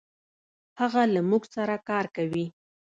هغه له مونږ سره کار کوي.